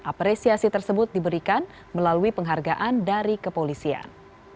apresiasi tersebut diberikan melalui penghargaan dari kepolisian